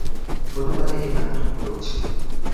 হতে পারে এ নাটক করছে।